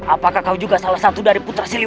apakah anda salah satu dari putra lurg wollte